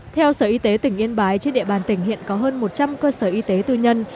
theo sở y tế tỉnh yên bái trên địa bàn tỉnh hiện có hơn một trăm linh cơ sở y tế tư nhân